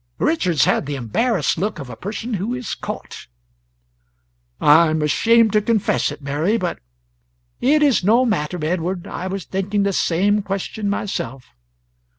Richards had the embarrassed look of a person who is caught. "I am ashamed to confess it, Mary, but " "It's no matter, Edward, I was thinking the same question myself."